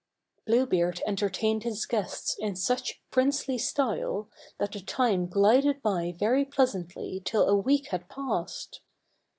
Blue Beard entertained his guests in such princely style, that the time glided by very pleasantly till a week had passed.